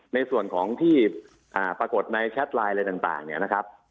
ในส่วนของที่ปรากฏในแชทไลน์อะไรต่างเนี่ยนะครับ